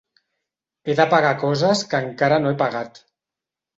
He de pagar coses que encara no he pagat.